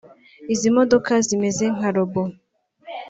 Izi modoka zimeze nka robo